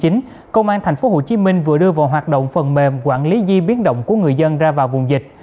nguyên minh vừa đưa vào hoạt động phần mềm quản lý di biến động của người dân ra vào vùng dịch